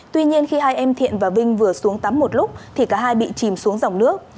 tuy nhiên khi hai em thiện và vinh vừa xuống tắm một lúc thì cả hai bị chìm xuống dòng nước